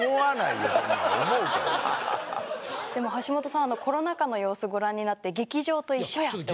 でも橋本さんコロナ禍の様子ご覧になって「劇場と一緒や」って。